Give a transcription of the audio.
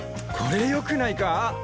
これよくないか？